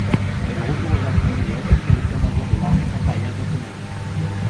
De retour au Japon, il est assigné à l'État-major de l'armée impériale japonaise.